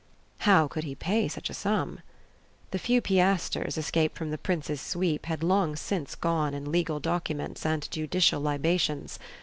How could he pay such a sum? The few piashtres escaped from the prince's sweep had long since gone in legal documents and judicial libations.